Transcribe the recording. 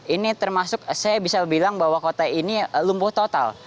ini termasuk saya bisa bilang bahwa kota ini lumpuh total